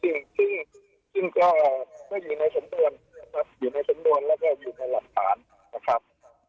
ซึ่งก็อยู่ในสมบวนนะครับอยู่ในสมบวนแล้วก็อยู่ในหลังศาลนะครับ